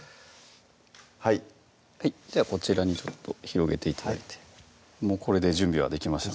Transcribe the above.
はいじゃあこちらに広げて頂いてこれで準備はできました